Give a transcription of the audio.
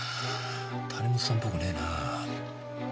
谷本さんっぽくねえな。